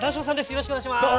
よろしくお願いします！